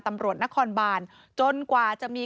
ตำรวจนครบานจนกว่าจะมี